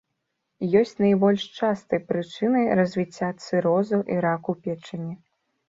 Ёсць найбольш частай прычынай развіцця цырозу і раку печані.